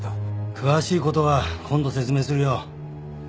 詳しい事は今度説明するよ。